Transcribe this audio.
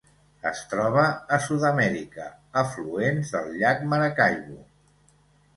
Es troba a Sud-amèrica: afluents del llac Maracaibo.